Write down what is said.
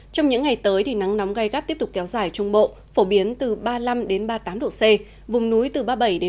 trong những ngày tới nắng nóng gai gắt tiếp tục kéo dài trung bộ phổ biến từ ba mươi năm ba mươi tám độ c vùng núi từ ba mươi bảy ba mươi chín độ